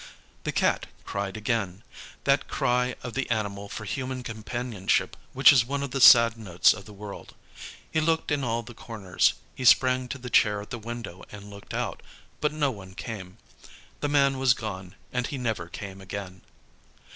The Cat cried again that cry of the animal for human companionship which is one of the sad notes of the world; he looked in all the corners; he sprang to the chair at the window and looked out; but no one came. The man was gone and he never came again.